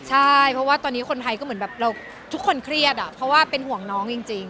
ใช่เพราะว่าตอนนี้คนไทยก็เหมือนแบบเราทุกคนเครียดเพราะว่าเป็นห่วงน้องจริง